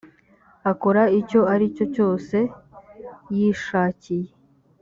akora icyo ari cyo cyose yishakiye